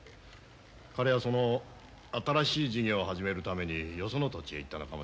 彼はその新しい事業を始めるためによその土地へ行ったのかもしれない。